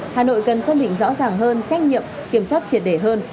hà nội cần phân hình rõ ràng hơn trách nhiệm kiểm tra triệt đề hơn